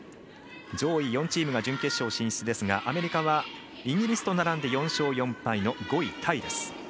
上位４チームが準決勝進出ですがアメリカはイギリスと並んで４勝４敗の５位タイです。